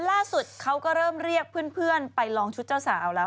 ล่าสุดเขาก็เริ่มเรียกเพื่อนไปลองชุดเจ้าสาวแล้ว